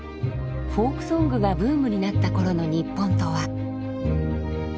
フォークソングがブームになったころの日本とは。